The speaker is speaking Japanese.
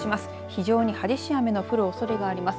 非常に激しい雨の降るおそれがあります。